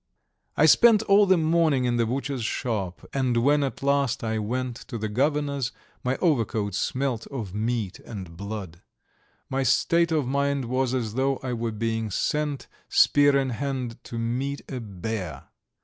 I spent all the morning in the butcher's shop, and when at last I went to the Governor's, my overcoat smelt of meat and blood. My state of mind was as though I were being sent spear in hand to meet a bear.